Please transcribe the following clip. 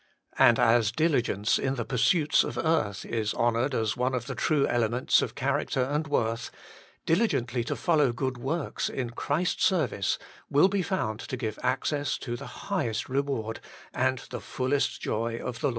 And as diligence in the pursuits of earth is honoured as one of the true ele ments of character and worth, dihgently to follow good works in Christ's service will be found to give access to the highest reward and the fullest joy of the Lord.